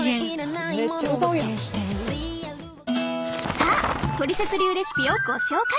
さあトリセツ流レシピをご紹介！